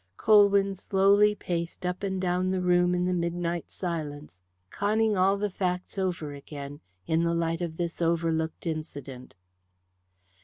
Colwyn slowly paced up and down the room in the midnight silence, conning all the facts over again in the light of this overlooked incident.